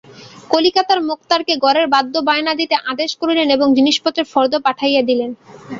কলিকাতার মোক্তারকে গড়ের বাদ্য বায়না দিতে আদেশ করিলেন এবং জিনিসপত্রের ফর্দ পাঠাইয়া দিলেন।